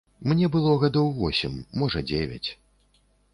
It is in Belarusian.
Мне было гадоў восем, можа, дзевяць.